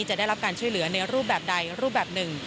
จะได้รับการช่วยเหลือในรูปแบบใดรูปแบบหนึ่ง